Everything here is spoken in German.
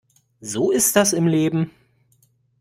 So ist das im Leben.